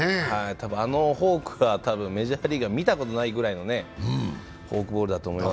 あのフォークはメジャーリーガーが見たことないぐらいのフォークボールだと思います。